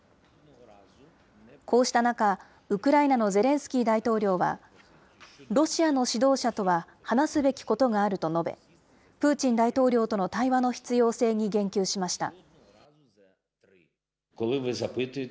こうした中、ウクライナのゼレンスキー大統領は、ロシアの指導者とは話すべきことがあると述べ、プーチン大統領との対話の必要性に言及しました。